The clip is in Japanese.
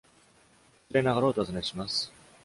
失礼ながらお尋ねします。